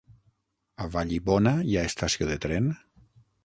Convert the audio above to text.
A Vallibona hi ha estació de tren?